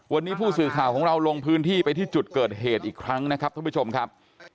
วันนี้ผู้สื่อข่าวของเราลงพื้นที่ไปที่จุดเกิดเหตุอีกครั้งนะครับท่านผู้ชมครับ